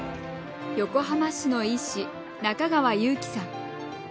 横浜市の医師、中川悠樹さん。